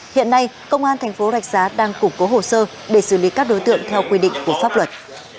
hiện nay công an thành phố rạch giá đang củng cố hồ sơ để xử lý các đối tượng theo quy định của pháp luật